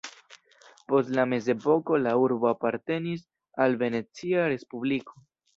Post la mezepoko la urbo apartenis al Venecia respubliko.